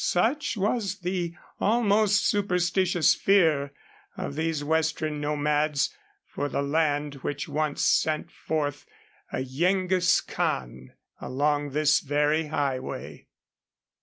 Such was the almost superstitious fear of these western nomads for the land which once sent forth a Yengiz Khan along this very highway.